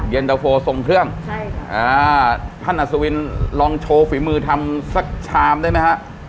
เย็นตะโฟทรงเครื่องใช่ค่ะอ่าท่านอัศวินลองโชว์ฝีมือทำสักชามได้ไหมฮะ